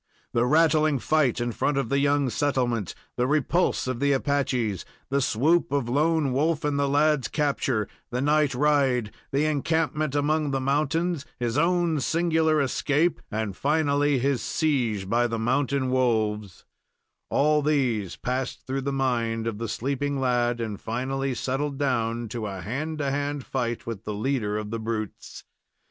The rattling fight in front of the young settlement, the repulse of the Apaches, the swoop of Lone Wolf and the lad's capture, the night ride, the encampment among the mountains, his own singular escape, and, finally, his siege by the mountain wolves all these passed through the mind of the sleeping lad, and finally settled down to a hand to hand fight with the leader of the brutes.